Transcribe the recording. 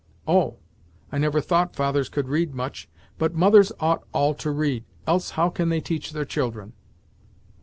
"Oh! I never thought fathers could read much, but mothers ought all to read, else how can they teach their children?